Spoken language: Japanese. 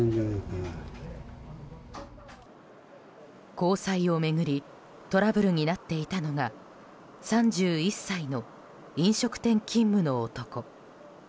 交際を巡りトラブルになっていたのが３１歳の飲食店勤務の男。